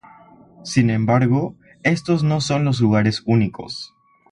Sin embargo, estos no son los lugares únicos.